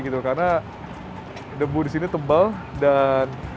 karena debu di sini tebal dan